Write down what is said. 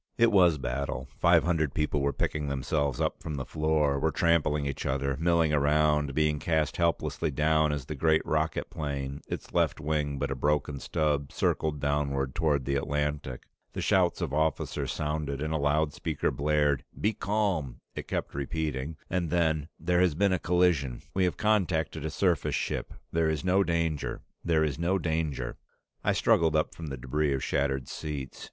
It was battle. Five hundred people were picking themselves up from the floor, were trampling each other, milling around, being cast helplessly down as the great rocket plane, its left wing but a broken stub, circled downward toward the Atlantic. The shouts of officers sounded and a loudspeaker blared. "Be calm," it kept repeating, and then, "There has been a collision. We have contacted a surface ship. There is no danger There is no danger " I struggled up from the debris of shattered seats.